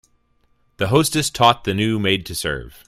The hostess taught the new maid to serve.